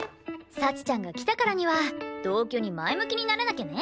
幸ちゃんが来たからには同居に前向きにならなきゃね！